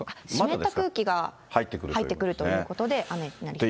湿った空気が入ってくるということで雨になります。